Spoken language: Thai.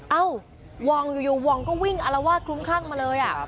เอ้าวองอยู่วองก็วิ่งอลวาสคลุมข้างมาเลย